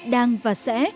đang và sẽ